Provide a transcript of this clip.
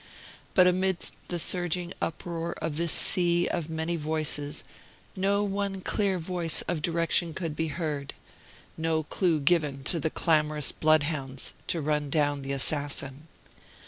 But amidst the surging uproar of this sea of many voices no one clear voice of direction could be heard; no clue given to the clamorous bloodhounds to run down the assassin.